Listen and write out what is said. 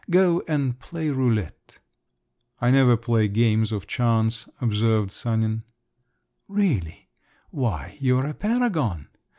Go and play roulette." "I never play games of chance," observed Sanin. "Really? Why, you're a paragon.